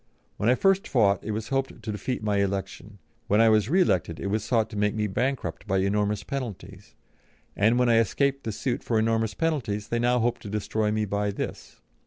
When I first fought it was hoped to defeat my election. When I was re elected it was sought to make me bankrupt by enormous penalties, and when I escaped the suit for enormous penalties they hope now to destroy me by this.